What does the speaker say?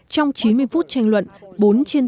trong chín mươi phút tranh luận